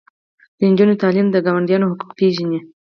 د نجونو تعلیم د ګاونډیانو حقوق پیژني.